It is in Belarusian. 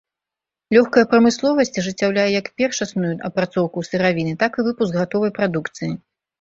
Лёгкая прамысловасць ажыццяўляе як першасную апрацоўку сыравіны, так і выпуск гатовай прадукцыі.